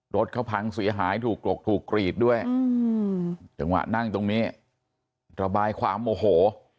รถเขาพังเสียหายถูกกลกถูกกรีดด้วยจังหวะนั่งตรงนี้ระบายความโมโห